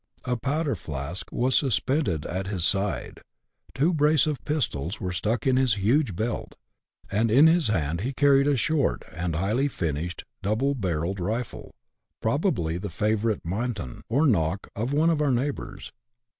A powder flask was suspended at his side, two brace of pistols were stuck in his huge belt, and in his hand he carried a short and highly finished double barrelled rifle, probably the favourite Manton or Nock of one of our neighbours.